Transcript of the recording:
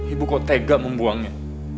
ibu kau tega membuangnya